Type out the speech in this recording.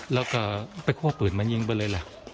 แล้วก็ไปคั่วปืนมายิงไปเลยล่ะ